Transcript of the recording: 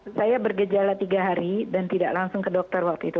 saya bergejala tiga hari dan tidak langsung ke dokter waktu itu